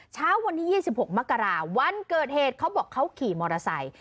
เช้าวันที่๒๖มกราวันเกิดเหตุเขาบอกเขาขี่มอเตอร์ไซค์